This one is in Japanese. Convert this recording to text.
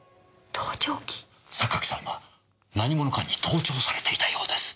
榊さんは何者かに盗聴されていたようです。